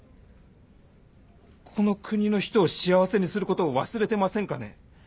この国の人を幸せにすることを忘れてませんかね？